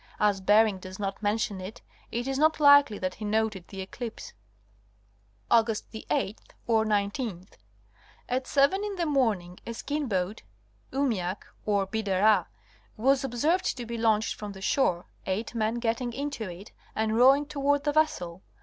As Bering does not mention it, it is not likely that he noted the eclipse. Aug. 8/19. At seven in the morning a skin boat (umiak or bidarré) was observed to be launched from the shore, eight men getting into it and rowing toward the vessel (B.).